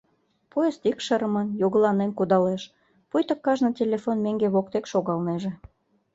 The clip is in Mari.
Поезд икшырымын, йогыланен кудалеш, пуйто кажне телефон меҥге воктек шогалнеже.